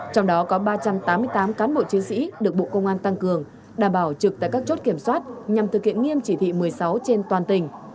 trong đó có ba trăm tám mươi tám cán bộ chiến sĩ được bộ công an tăng cường đảm bảo trực tại các chốt kiểm soát nhằm thực hiện nghiêm chỉ thị một mươi sáu trên toàn tỉnh